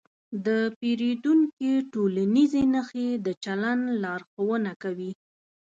د پیریدونکي ټولنیزې نښې د چلند لارښوونه کوي.